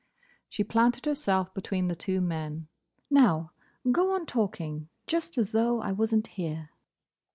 She planted herself between the two men. "Now, go on talking, just as though I was n't here."